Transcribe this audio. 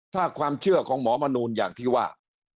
ถ้าความเชื่อของหมอมนูนอย่างที่ว่า